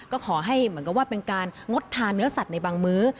ก็ขอให้เหมือนกับว่าเป็นการงดทานเนื้อสัตว์ในบางมื้อ